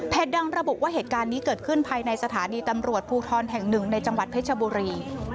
ดังระบุว่าเหตุการณ์นี้เกิดขึ้นภายในสถานีตำรวจภูทรแห่งหนึ่งในจังหวัดเพชรบุรี